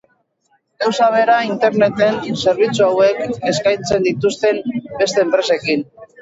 Gauza bera Interneten zerbitzu hauek eskaintzen dituzten beste enpresekin.